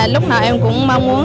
lúc nào em cũng mong muốn